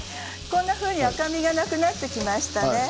こんなふうに赤みがなくなってきましたね